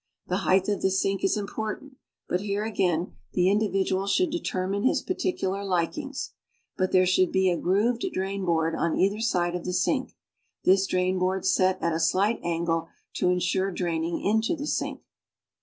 The height of the sink is important, but here, again, the individual should determine his particular likings. But there should be a grooved drain board on either side of the sink; this draiu lioard set at a slight angle to insure draining into the sink.